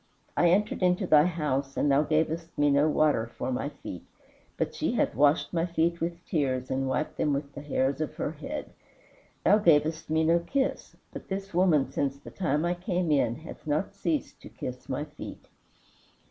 I entered into thy house and thou gavest me no water for my feet, but she hath washed my feet with tears and wiped them with the hairs of her head. Thou gavest me no kiss, but this woman, since the time I came in, hath not ceased to kiss my feet.